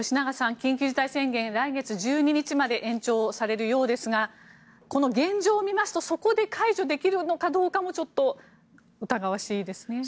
緊急事態宣言、来月１２日まで延長されるようですがこの現状を見ますとそこで解除できるのかどうかもちょっと疑わしいですね。